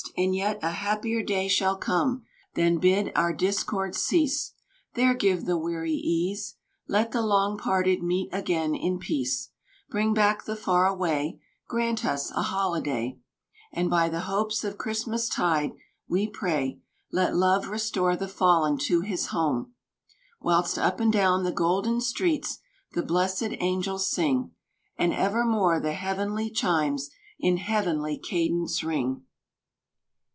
and yet a happier day shall come! Then bid our discords cease; There give the weary ease; Let the long parted meet again in peace; Bring back the far away; Grant us a holiday; And by the hopes of Christmas tide we pray Let love restore the fallen to his Home; Whilst up and down the golden streets the blessed angels sing, And evermore the heavenly chimes in heavenly cadence ring.